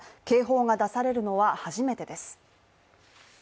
警報が出されるのは初めてです。